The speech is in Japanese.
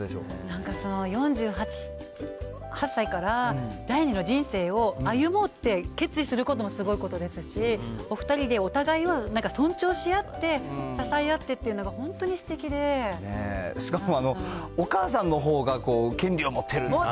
なんか４８歳から第二の人生を歩もうって決意することもすごいことですし、お２人でお互いを尊重し合って、支え合ってっていうのが、しかも、お母さんのほうが権利を持ってるみたいな。